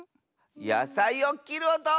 やさいをきるおと！